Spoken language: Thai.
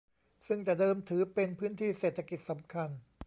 ซึ่งแต่เดิมถือเป็นพื้นที่เศรษฐกิจสำคัญ